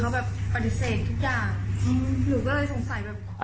เขาแบบปฏิเสธทุกอย่างอืมหนูก็เลยสงสัยแบบ